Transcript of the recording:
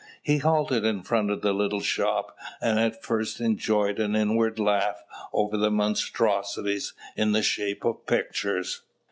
He halted in front of the little shop, and at first enjoyed an inward laugh over the monstrosities in the shape of pictures.